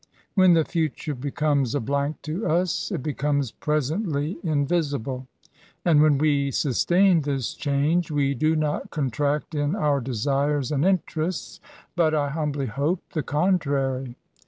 When the future becomes a blank to us, it becomes presently invisible. And when we sustain this change we do not contract in our desires and interests, but, I humbly hope, the contrary.